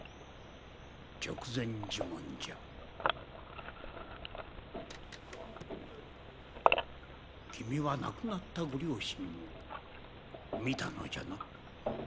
直前呪文じゃ君は亡くなったご両親を見たのじゃな？